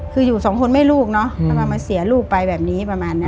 คืออยู่สองคนแม่ลูกเนาะทำไมมาเสียลูกไปแบบนี้ประมาณเนี้ย